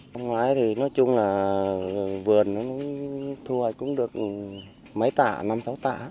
năm ngoái thì nói chung là vườn nó thu hoạch cũng được mấy tả năm sáu tả